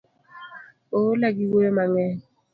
Oola gi wuoyo mang'eny